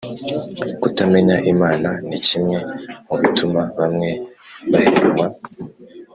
kutamenya imana ni kimwe mu bituma bamwe baheranwa